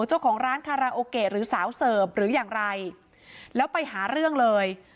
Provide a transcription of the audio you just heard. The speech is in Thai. เจ้าของร้านคาราโอเกะหรือสาวเสิร์ฟหรืออย่างไรแล้วไปหาเรื่องเลย